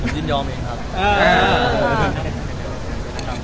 ยืนยอมแหง